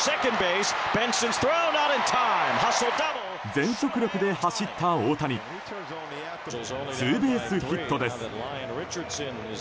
全速力で走った大谷ツーベースヒットです。